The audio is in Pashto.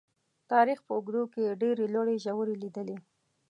تاریخ په اوږدو کې یې ډېرې لوړې ژورې لیدلي.